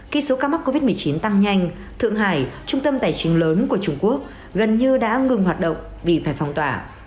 khi số ca mắc covid một mươi chín tăng nhanh thượng hải trung tâm tài chính lớn của trung quốc gần như đã ngừng hoạt động vì phải phong tỏa